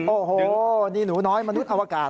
โอ้โหนี่หนูน้อยมนุษย์อวกาศ